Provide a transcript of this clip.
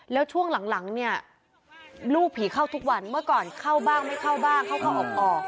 แล้วช่วงหลังเนี่ยลูกผีเข้าทุกวันเมื่อก่อนเข้าบ้างไม่เข้าบ้างเข้าออก